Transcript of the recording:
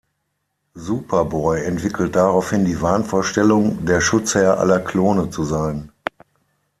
Superboy entwickelt daraufhin die Wahnvorstellung der Schutzherr aller Klone zu sein.